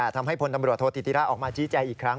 ทำให้พลตำรวจโทษธิติราชออกมาชี้แจงอีกครั้ง